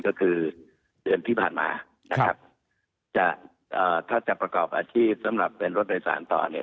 ก็คือเดือนที่ผ่านมานะครับจะเอ่อถ้าจะประกอบอาชีพสำหรับเป็นรถโดยสารต่อเนี่ย